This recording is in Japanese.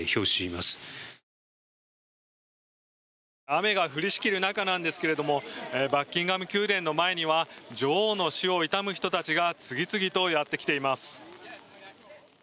雨が降りしきる中ですがバッキンガム宮殿の前には女王の死を悼む人たちが次々とやってきています。